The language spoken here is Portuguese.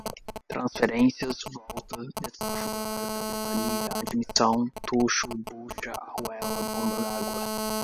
transferências, volta, desparafusar, tapeçaria, admissão, tucho, bucha, arruela, bomba d'água